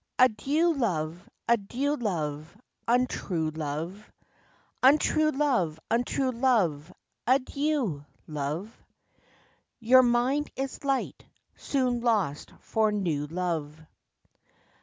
Adieu Love, adieu Love, untrue Love, Untrue Love, untrue Love, adieu Love; Your mind is light, soon lost for new love.